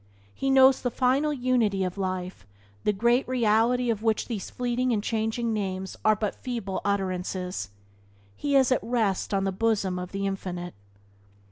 He knows the Final Unity of Life, the Great Reality of which these fleeting and changing names are but feeble utterances. He is at rest on the bosom of the Infinite.